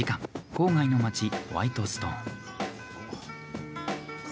郊外の街・ホワイトストーン。